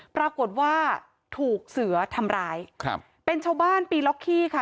ปรากฏว่าถูกเสือทำร้ายครับเป็นชาวบ้านปีล็อกขี้ค่ะ